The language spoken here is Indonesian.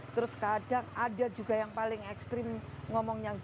terus kadang ada juga yang paling ekstrim ngomongnya